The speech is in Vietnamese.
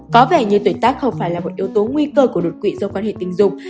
có vẻ như tuyệt tác không phải là một yếu tố nguy cơ của đột quỵ do quan hệ tình dục